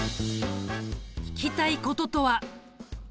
聞きたいこととは？